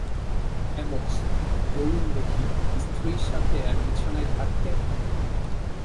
Amos, বলুন দেখি, - স্ত্রীর সাথে এক বিছানায় থাকতে?